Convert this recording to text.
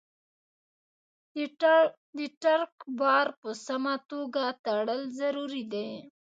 د ټرک بار په سمه توګه تړل ضروري دي.